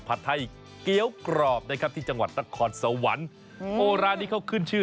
ไทยเกี้ยวกรอบนะครับที่จังหวัดนครสวรรค์โอ้ร้านนี้เขาขึ้นชื่อ